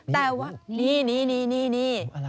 แต่ว่านี่